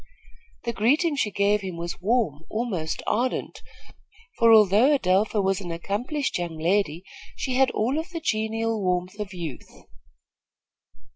The greeting she gave him was warm, almost ardent, for, although Adelpha was an accomplished young lady, she had all of the genial warmth of youth.